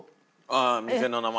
ああ店の名前？